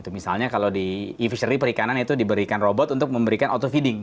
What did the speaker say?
misalnya kalau di e fishery perikanan itu diberikan robot untuk memberikan auto feeding